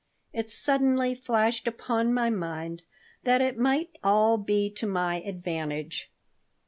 It suddenly flashed upon my mind that it might all be to my advantage.